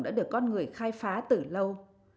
đã được con người khai phá từ lâu